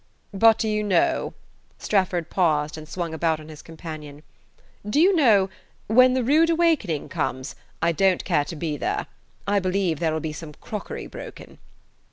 But do you know " Strefford paused and swung about on his companion "do you know, when the Rude Awakening comes, I don't care to be there. I believe there'll be some crockery broken."